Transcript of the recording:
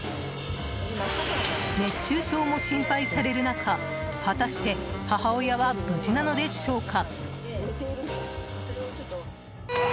熱中症も心配される中果たして母親は無事なのでしょうか。